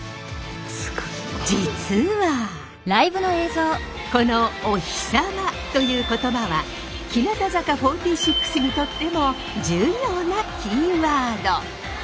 実はこの「おひさま」という言葉は日向坂４６にとっても重要なキーワード。